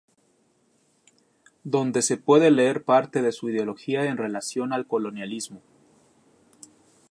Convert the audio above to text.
Donde se puede leer parte de su ideología en relación al colonialismo.